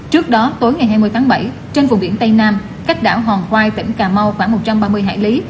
trước đó tối ngày hai mươi tháng bảy trên vùng biển tây nam cách đảo hòn khoai tỉnh cà mau khoảng một trăm ba mươi hải lý